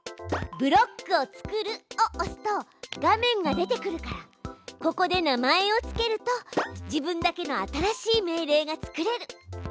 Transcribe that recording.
「ブロックを作る」を押すと画面が出てくるからここで名前を付けると自分だけの新しい命令が作れる。